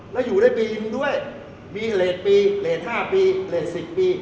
แล้วอยู่ในปีมันด้วยมีเรทปีเรทห้าปีเรทสิบปี